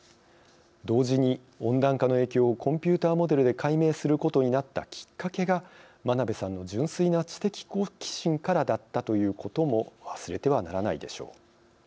同時に温暖化の影響をコンピューターモデルで解明することになったきっかけが真鍋さんの純粋な知的好奇心からだったということも忘れてはならないでしょう。